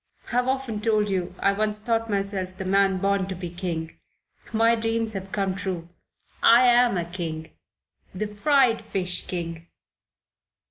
I've often told you I once thought myself the man born to be king. My dreams have come true. I am a king. The fried fish king."